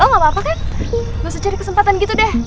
gak usah cari kesempatan gitu deh